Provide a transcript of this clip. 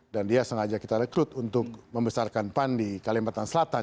dan dia sengaja kita rekrut untuk membesarkan pan di kalimantan selatan